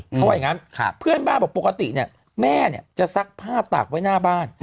เพราะว่าอย่างนั้นเพื่อนบ้านบอกปกติเนี่ยแม่จะซักผ้าตากไว้หน้าบ้าน